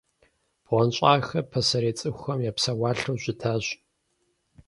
БгъуэнщӀагъхэр пасэрей цӀыхухэм я псэуалъэу щытащ.